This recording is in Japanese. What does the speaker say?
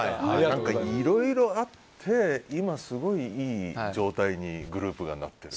いろいろあって今すごいいい状態にグループがなっている。